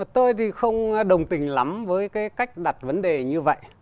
tôi thì không đồng tình lắm với cái cách đặt vấn đề như vậy